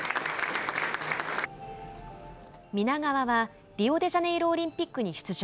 皆川はリオデジャネイロオリンピックに出場。